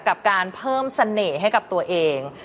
กับการเพิ่มเสน่ห์ให้กับตัวเอง